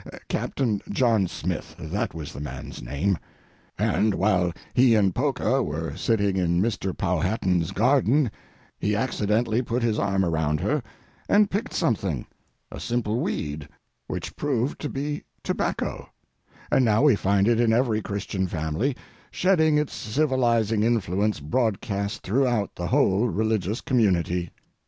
Captain John Smith, that was the man's name—and while he and Poca were sitting in Mr. Powhatan's garden, he accidentally put his arm around her and picked something—a simple weed, which proved to be tobacco—and now we find it in every Christian family, shedding its civilizing influence broadcast throughout the whole religious community.